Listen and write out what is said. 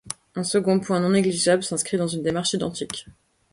Un second point, non négligeable, s'inscrit dans une démarche identique.